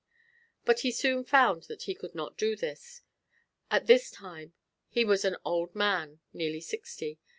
But he soon found that he could not do this. At this time he was an old man, nearly sixty.